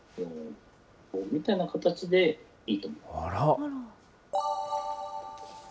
みたいな形でいいと思います。